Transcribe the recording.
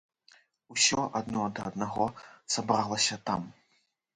Усё адно да аднаго сабралася там.